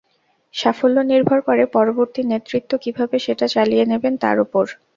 সাফল্য নির্ভর করে পরবর্তী নেতৃত্ব কীভাবে সেটা চালিয়ে নেবেন, তার ওপর।